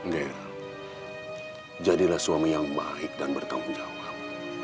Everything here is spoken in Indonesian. ger jadilah suami yang baik dan bertanggung jawab